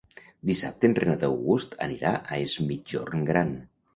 Dissabte en Renat August anirà a Es Migjorn Gran.